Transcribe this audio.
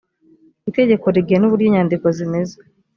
itegeko rigena uburyo inyandiko zimeze